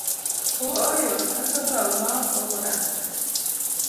Ooyo, adwa bau maok ogo randa.